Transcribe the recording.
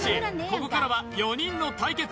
ここからは４人の対決